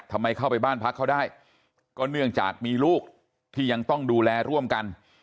ทำไมเข้าไปบ้านพักเขาได้ก็เนื่องจากมีลูกที่ยังต้องดูแลร่วมกัน